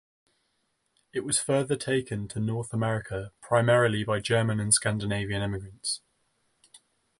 It was further taken to North America, primarily by German and Scandinavian immigrants.